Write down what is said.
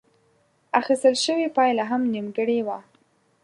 اخيستل شوې پايله هم نيمګړې وه.